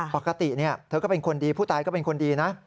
ปกติเธอก็เป็นคนดีผู้ตายก็เป็นคนดีนะ